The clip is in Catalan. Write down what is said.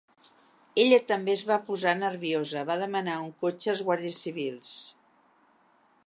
Ella també es va posar nerviosa, va demanar un cotxe als guàrdies civils.